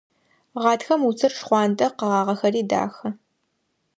Гъатхэм уцыр шхъуантӀэ, къэгъагъэхэри дахэ.